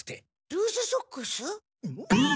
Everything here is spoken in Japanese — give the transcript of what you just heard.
ルーズソックス？